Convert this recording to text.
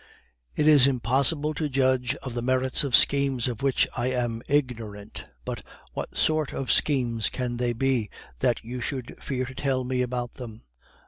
It is impossible to judge of the merits of schemes of which I am ignorant; but what sort of schemes can they be, that you should fear to tell me about them?